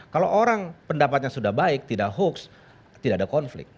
kalau orang pendapatnya sudah baik tidak hoax tidak ada konflik